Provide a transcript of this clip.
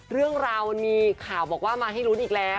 เรื่องราวมันมีข่าวบอกว่ามาให้ลุ้นอีกแล้ว